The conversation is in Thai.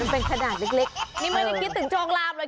เป็นขนาดเล็กนี่ไม่ได้คิดถึงโจงลามเลย